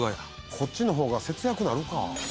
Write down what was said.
こっちの方が節約なるか。